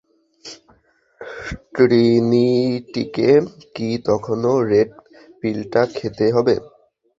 ট্রিনিটিকে কি তখনও রেড পিলটা খেতে হবে?